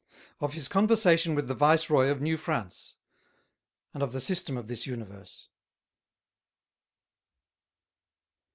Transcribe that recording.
_Of his Conversation with the Vice Roy of New France; and of the system of this Universe.